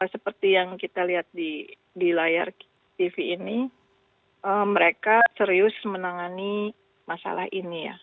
seperti yang kita lihat di layar tv ini mereka serius menangani masalah ini ya